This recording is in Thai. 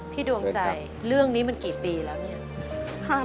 ดวงใจเรื่องนี้มันกี่ปีแล้วเนี่ย